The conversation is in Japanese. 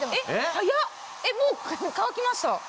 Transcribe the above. もう乾きました！